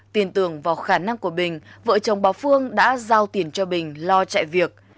tiền tưởng vào khả năng của bình vợ chồng bà phương đã giao tiền cho bình lo chạy việc